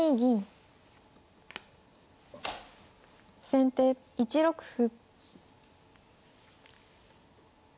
先手１六歩。